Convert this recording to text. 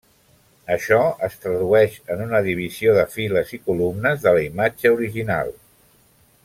Això es tradueix en una divisió de files i columnes de la imatge original.